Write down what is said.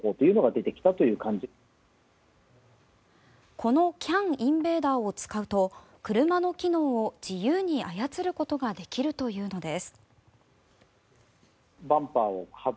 このＣＡＮインベーダーを使うと車の機能を自由に操ることができるというのです。